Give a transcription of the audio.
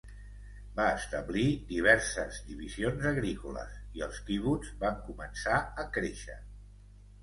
Van establir diverses divisions agrícoles i els quibuts van començar a créixer.